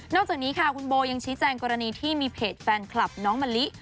จากนี้ค่ะคุณโบยังชี้แจงกรณีที่มีเพจแฟนคลับน้องมะลิ